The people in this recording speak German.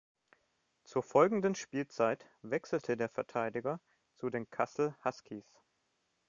Zur folgenden Spielzeit wechselte der Verteidiger zu den Kassel Huskies.